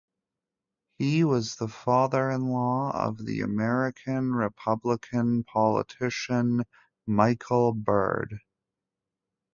He was the father-in-law of the American Republican politician Michael Bird.